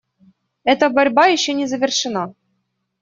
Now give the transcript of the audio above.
Эта борьба еще не завершена.